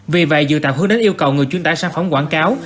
vì vậy dự tạo hướng đến yêu cầu người chuyển tải sản phẩm quảng cáo